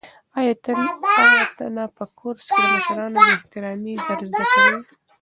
آیا تا ته په کورس کې د مشرانو بې احترامي در زده کوي؟